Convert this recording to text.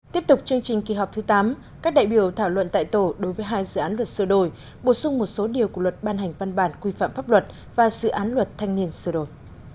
tiếp tục chương trình kỳ họp thứ tám các đại biểu thảo luận tại tổ đối với hai dự án luật sửa đổi bổ sung một số điều của luật ban hành văn bản quy phạm pháp luật và dự án luật thanh niên sửa đổi